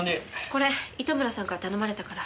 これ糸村さんから頼まれたから。